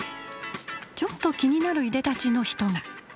ちょっと気になるいでたちの人が。